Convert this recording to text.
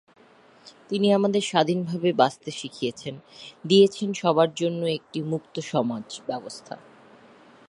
তিনি আমাদের স্বাধীনভাবে বাঁচতে শিখিয়েছেন, দিয়েছেন সবার জন্য একটি মুক্ত সমাজ ব্যবস্থা।